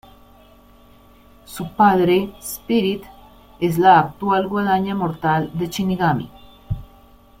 Su padre, Spirit, es la actual Guadaña Mortal de Shinigami.